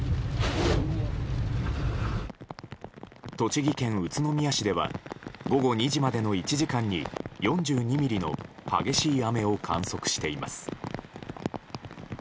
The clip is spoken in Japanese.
栃木県宇都宮市では午後２時までの１時間に４２ミリの激しい雨を観測しています。